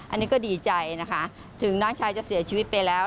อันนี้ก็ดีใจนะคะถึงน้องชายจะเสียชีวิตไปแล้ว